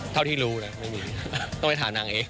เท่าที่รู้นะไม่มีต้องไปถามนางเอ๊ะ